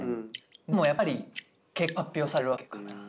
でもやっぱり結果は発表されるわけやから。